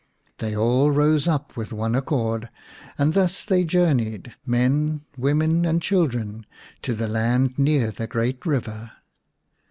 They all rose up with one accord and thus they journeyed, men, women and children, to the land near the great river.